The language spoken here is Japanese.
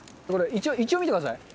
一応、見てください。